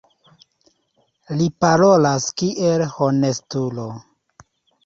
Li parolas kiel honestulo.